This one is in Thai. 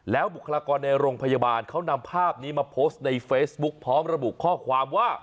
แล้วบุคลากรในโรงพยาบาลเขานำภาพนี้มาโพสต์ในเฟซบุ๊คพร้อมระบุข้อความว่า